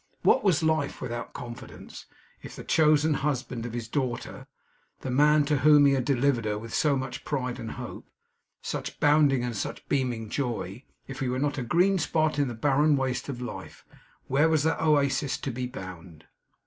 What was life without confidence? If the chosen husband of his daughter, the man to whom he had delivered her with so much pride and hope, such bounding and such beaming joy; if he were not a green spot in the barren waste of life, where was that oasis to be bound?